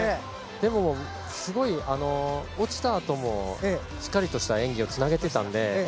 でも、落ちたあともしっかりとした演技をつなげていたので。